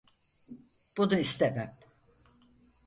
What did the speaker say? Bunu istemem.